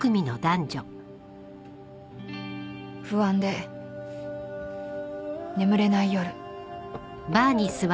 ［不安で眠れない夜］